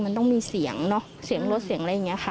มันต้องมีเสียงเนอะเสียงรถเสียงอะไรอย่างนี้ค่ะ